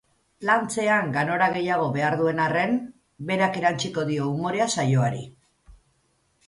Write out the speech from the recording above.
Lantzean, ganora gehiago behar duen arren, berak erantsiko dio umorea saioari.